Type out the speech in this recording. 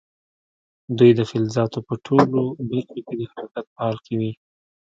دوی د فلزاتو په ټولو برخو کې د حرکت په حال کې وي.